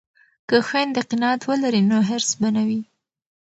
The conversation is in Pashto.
که خویندې قناعت ولري نو حرص به نه وي.